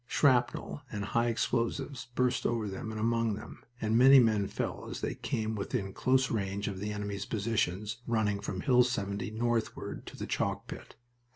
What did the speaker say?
Shrapnel and high explosives burst over them and among them, and many men fell as they came within close range of the enemy's positions running from Hill 70 northward to the chalk pit.